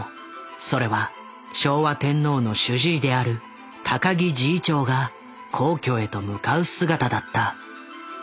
それは昭和天皇の主治医である高木侍医長が皇居へと向かう姿だった。